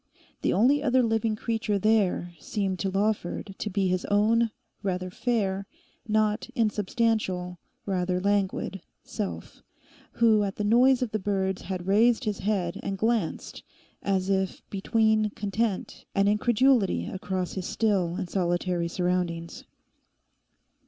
The only other living creature there seemed to Lawford to be his own rather fair, not insubstantial, rather languid self, who at the noise of the birds had raised his head and glanced as if between content and incredulity across his still and solitary surroundings.